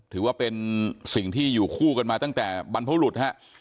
ถือว่าเป็นสิ่งที่อยู่คู่กันมาตั้งแต่บรรพบุรุษฮะ